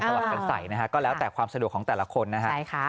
แต่ว่าการใส่นะคะก็แล้วแต่ความสะดวกของแต่ละคนนะคะ